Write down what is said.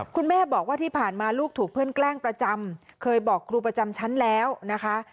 คุณแม่บอกว่าที่ผ่านมาลูกถูกเพื่อนแกล้งประจำเคยบอกครูประจำชั้นแล้วนะคะ